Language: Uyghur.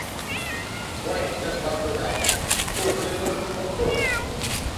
-ۋاي-دەپ ۋارقىرىدى ئاپام، -ئۇ قىلىدىغىنىنى قىلىپ بوپتۇ!